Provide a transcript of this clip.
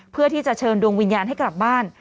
เพื่อที่จะเชิญดวงวิญญาณให้กลับบ้าน